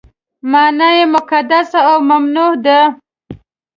معنا یې مقدس او ممنوع ده.